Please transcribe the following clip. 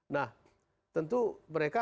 nah tentu mereka